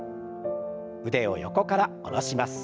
腕を横から下ろします。